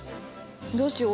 どうしよう？